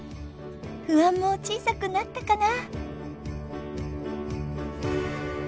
不安も小さくなったかな？